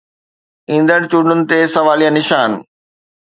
ايندڙ چونڊن تي سواليه نشان.